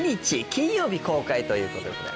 金曜日公開ということでございます